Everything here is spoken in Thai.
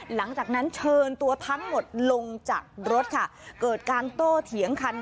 หลังจากนั้นเชิญตัวทั้งหมดลงจากรถค่ะเกิดการโต้เถียงคัน